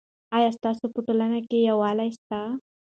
آیا ستاسو په ټولنه کې یووالی سته؟